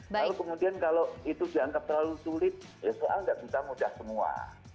kalau kemudian kalau itu dianggap terlalu sulit soalnya enggak bisa mudah semua